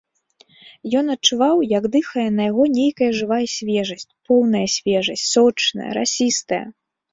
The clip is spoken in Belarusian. Ён адчуваў, як дыхае на яго нейкая жывая свежасць, поўная свежасць, сочная, расістая.